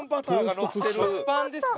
「食パンですか？